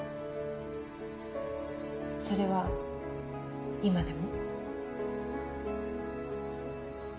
それは今でも？